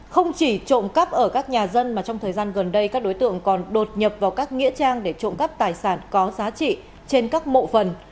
không chỉ trộm cắp ở các nhà dân mà trong thời gian gần đây các đối tượng còn đột nhập vào các nghĩa trang để trộm cắp tài sản có giá trị trên các mộ phần